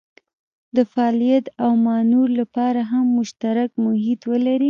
د فعالیت او مانور لپاره هم مشترک محیط ولري.